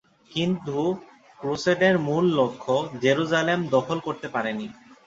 কিন্তু ক্রুসেডের মূল লক্ষ্য জেরুসালেম দখল করতে পারেনি।